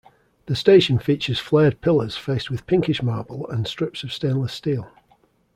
The station features flared pillars faced with pinkish marble and strips of stainless steel.